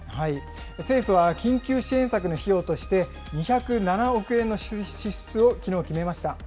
政府は緊急支援策の費用として、２０７億円の支出をきのう決めました。